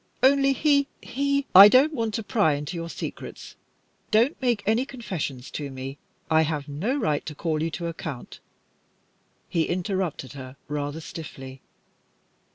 Only he he " "I don't want to pry into your secrets. Don't make any confessions to me. I have no right to call you to account," he interrupted her, rather stiffly.